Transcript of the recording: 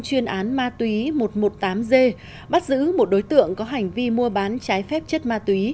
chuyên án ma túy một trăm một mươi tám g bắt giữ một đối tượng có hành vi mua bán trái phép chất ma túy